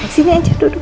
sini aja duduk